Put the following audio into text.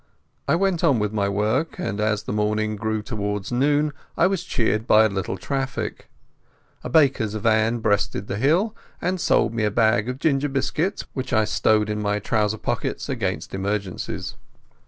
I went on with my work, and as the morning grew towards noon I was cheered by a little traffic. A baker's van breasted the hill, and sold me a bag of ginger biscuits which I stowed in my trouser pockets against emergencies.